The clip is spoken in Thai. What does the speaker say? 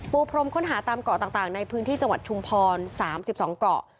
พรมค้นหาตามเกาะต่างในพื้นที่จังหวัดชุมพร๓๒เกาะ